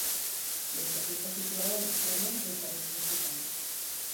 L'estació està situada a l'extrem est del carrer principal.